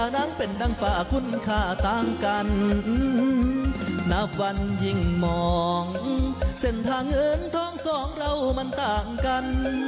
นับวันยิ่งมองเส้นทางเงินทองสองเรามันต่างกัน